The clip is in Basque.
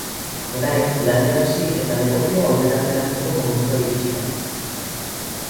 Orain, lanean hasi eta negozioa aurrera ateratzeko momentua iritsi da.